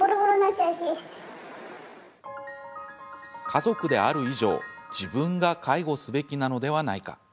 家族である以上自分が介護すべきなのではないか。